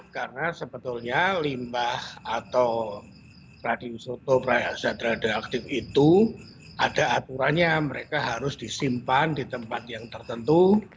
karena sebetulnya limbah atau radiusoto radiatus radiatus aktif itu ada aturannya mereka harus disimpan di tempat yang tertentu